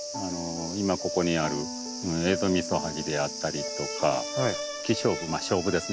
今ここにあるエゾミソハギであったりとかキショウブショウブですね